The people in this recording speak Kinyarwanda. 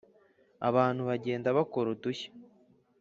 abantu bagenda bakora udushya